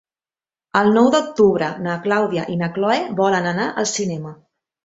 El nou d'octubre na Clàudia i na Cloè volen anar al cinema.